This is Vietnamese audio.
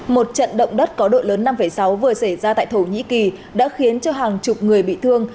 một trận động đất có độ lớn năm sáu vừa xảy ra tại thổ nhĩ kỳ đã khiến cho hàng chục người bị thương